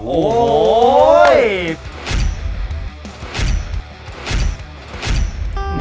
โอ้โห